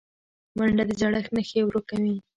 منډه د زړښت نښې ورو کوي